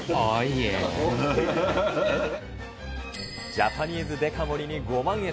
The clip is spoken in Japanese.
ジャパニーズデカ盛りにご満悦。